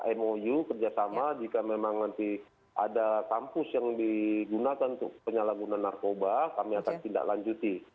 kita akan membuat mou kerja sama jika memang nanti ada kampus yang digunakan untuk penyalahguna narkoba kami akan tindak lanjuti